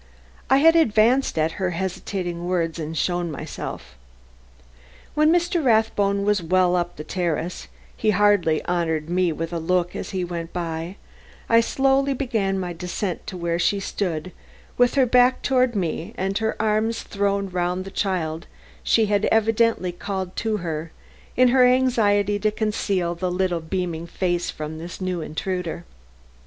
I had advanced at her hesitating words and shown myself. When Mr. Rathbone was well up the terrace (he hardly honored me with a look as he went by), I slowly began my descent to where she stood with her back toward me and her arms thrown round the child she had evidently called to her in her anxiety to conceal the little beaming face from this new intruder.